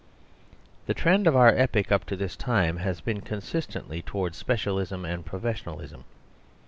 The trend of our epoch up to this time has been consistently towards specialism and professionalism.